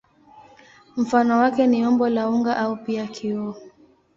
Mfano wake ni umbo la unga au pia kioo.